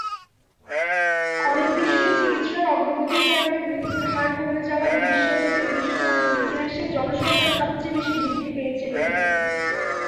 অনেক দেশে চিকিৎসার অগ্রগতির কারণে মৃত্যুর হার কমে যাওয়ায় বিশ শতকে, বিশ্ব মানব ইতিহাসে জনসংখ্যা সবচেয়ে বেশি বৃদ্ধি পেয়েছিল।